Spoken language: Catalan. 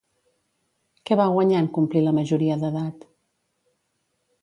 Què va guanyar en complir la majoria d'edat?